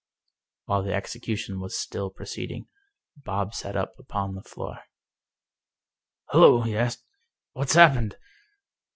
While the execution was still proceeding, Bob sat up upon the floor. " Hollo! " he asked, " what's happened?